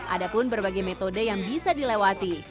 ada pun berbagai metode yang bisa dilewati